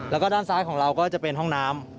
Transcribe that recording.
แล้วก็ด้านซ้ายของเราก็จะเป็นห้องน้ำ